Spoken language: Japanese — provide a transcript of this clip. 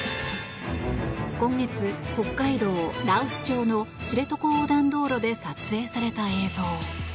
今月、北海道羅臼町の知床横断道路で撮影された映像。